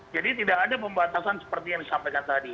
jadi tidak ada pembatasan seperti yang disampaikan tadi